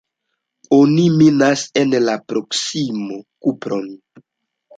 Oni minas en la proksimo kupron.